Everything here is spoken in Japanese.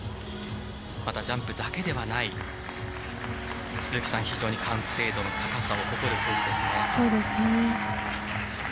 ジャンプだけではない非常に完成度の高さを誇る選手ですね。